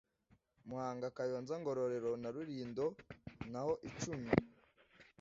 Muhanga Kayonza Ngororero na Rulindo Naho icumi